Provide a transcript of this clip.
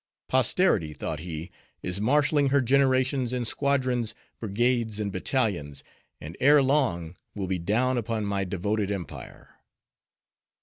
Posterity, thought he, is marshaling her generations in squadrons, brigades, and battalions, and ere long will be down upon my devoted empire.